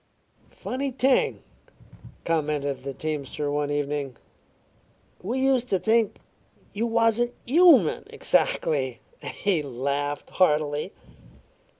"Funny thing," commented the teamster one evening. "We used to think you wasn't human exactly." He laughed heartily.